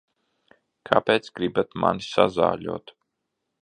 Kāpēc gribat mani sazāļot?